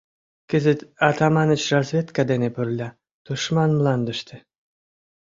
Кызыт Атаманыч разведка дене пырля — тушман мландыште.